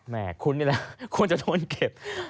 แหมคุ้นอยู่แล้วควรจะโทนเก็บ